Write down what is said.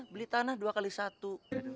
beli tanah dua x satu